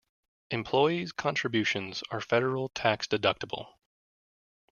Employees' contributions are federal tax-deductible.